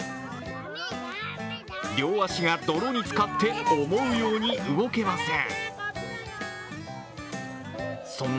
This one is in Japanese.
両足が泥につかって思うように動けません。